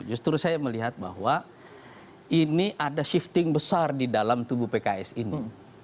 justru saya melihat bahwa ini ada shifting besar di dalam tubuh pks ini